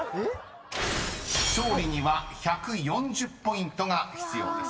［勝利には１４０ポイントが必要です］